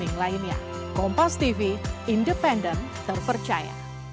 bukan berpisah bagi tugas